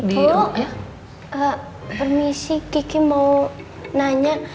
ibu permisi gigi mau nanya